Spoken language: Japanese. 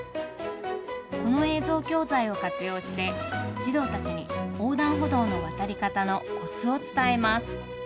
この映像教材を活用して児童たちに横断歩道の渡り方のコツを伝えます。